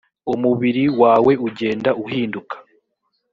umubiri wawe ugenda uhinduka.